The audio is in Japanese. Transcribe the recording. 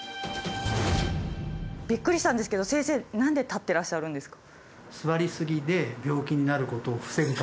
びっくりしたんですけど先生何で立ってらっしゃるんですか？